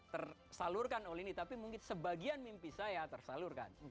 tersalurkan oleh ini tapi mungkin sebagian mimpi saya tersalurkan